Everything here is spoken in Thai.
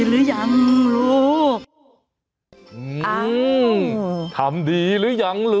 อื้อทำดีหรือยังลูก